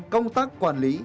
công tác quản lý